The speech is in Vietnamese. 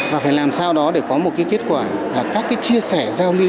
và phải làm sao đó để có một cái kết quả là các cái chia sẻ giao lý